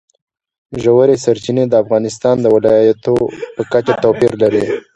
ژورې سرچینې د افغانستان د ولایاتو په کچه توپیر لري.